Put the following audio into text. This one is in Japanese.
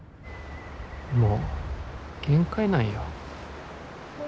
もう限界なんよ。